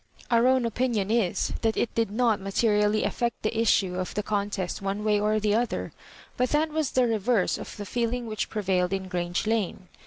Our own opmion is, that it did not materially affect the issue of the contest one way or the other; but that was the reverse of the feeling which prevailed in Grange Lane.